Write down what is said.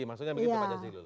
maksudnya begitu pak jansidul